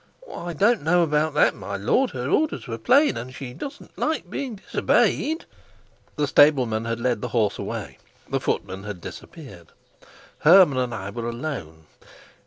"I don't know about that, my lord: her orders were plain, and she doesn't like being disobeyed." The stableman had led the horse away, the footman had disappeared, Hermann and I were alone.